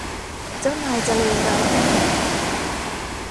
เจ้านายจะเลวร้ายแค่ไหน ?